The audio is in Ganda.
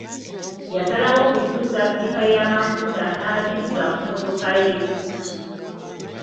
Yasalawo okukyusa eppipa y'amafuta n'agizza ku mmotoka ye.